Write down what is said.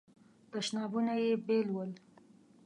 تشنابونه یې بیل ول.